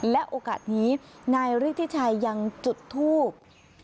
และโอกาสนี้นายฤทธิชัยยังจุดทูบ